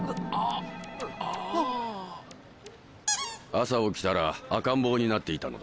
朝起きたら赤ん坊になっていたのだ。